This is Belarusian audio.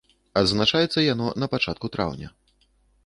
Адзначаецца яно на пачатку траўня.